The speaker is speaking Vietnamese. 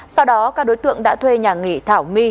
sau đó các đối tượng đã thuê nhà nghị thảo my